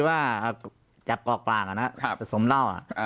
ปากกับภาคภูมิ